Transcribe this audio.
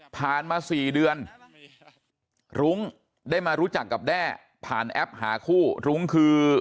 มา๔เดือนรุ้งได้มารู้จักกับแด้ผ่านแอปหาคู่รุ้งคือ